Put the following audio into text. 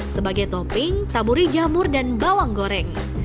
sebagai topping taburi jamur dan bawang goreng